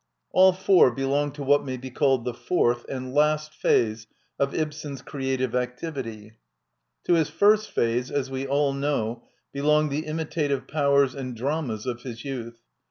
All four belong to what may be called the fourth, and last phase of Ibsen's creative activity. To his first Jjhage^ as we all know, belqpj;^ Ae .imitativfe lpdeffis and dramas, of hjs.^yQutL.